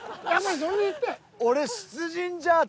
そこで言って。